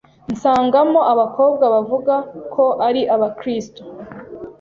nsangamo abakobwa bavuga ko ari Abakristo